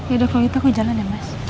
ya udah kalau itu aku jalan ya mas